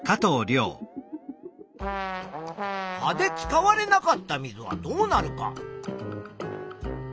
葉で使われなかった水はどうなるか。